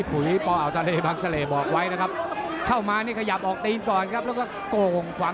กังเก้าสายเตะเปีกเจอกับขวา